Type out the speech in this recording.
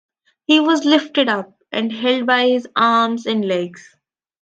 He was lifted up, and held by his arms and legs.